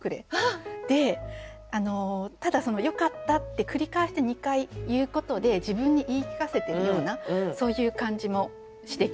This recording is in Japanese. でただ「よかった」って繰り返して２回言うことで自分に言い聞かせてるようなそういう感じもしてきます。